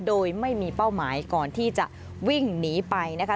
โดยไม่มีเป้าหมายก่อนที่จะวิ่งหนีไปนะคะ